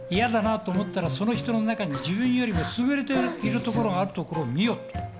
嫌だなあと思ったらその人の中に自分より優れているところを見よ。